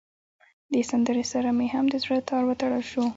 دې سندره سره مې هم د زړه تار وتړل شو.